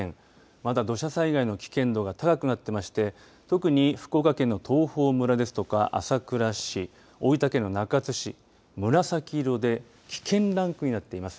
また、土砂災害の危険度が高くなっていまして特に福岡県の東峰村ですとか朝倉市、大分県中津市紫色で危険ランクになっています。